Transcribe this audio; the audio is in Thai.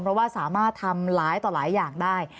เพราะว่าสามารถทำหลายต่อหลายอย่างได้